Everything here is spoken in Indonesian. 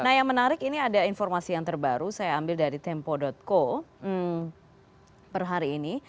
nah yang menarik ini ada informasi yang terbaru saya ambil dari tempo co per hari ini